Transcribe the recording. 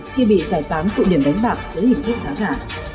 khi bị giải tán tụi điểm đánh bạc giữa hình thức tháng hạ